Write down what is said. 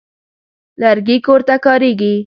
لرګي کور ته کارېږي.